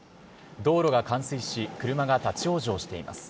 道路が冠水し、車が立往生しています。